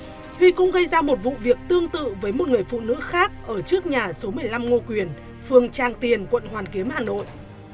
bảy tháng một mươi năm hai nghìn hai mươi hai huy cũng gây ra một vụ việc tương tự với một người phụ nữ khác ở trước nhà số một mươi năm ngo quyền phường trang tiền quận hoàn kiếm hà nội